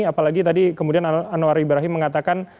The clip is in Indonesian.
apalagi tadi kemudian anwar ibrahim mengatakan